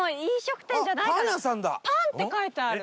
「パン」って書いてある！